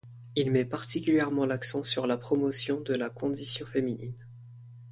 Il met particulièrement l'accent sur la promotion de la condition féminine.